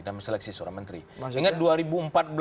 dan seleksi seorang menteri ingat dua ribu empat belas